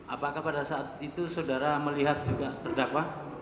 apakah pada saat itu saudara melihat juga terdakwa